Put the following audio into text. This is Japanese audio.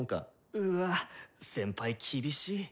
うわ先輩厳しい。